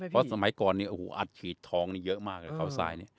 เพราะสมัยก่อนในนี่อัดขีดทองนี่เหมือนเยอะมาก